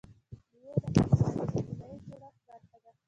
مېوې د افغانستان د اجتماعي جوړښت برخه ده.